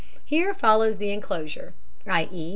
Here follows the enclosure, i.e.